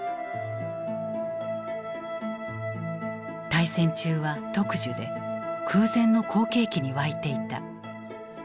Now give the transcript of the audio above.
大戦中は特需で空前の好景気に沸いていた。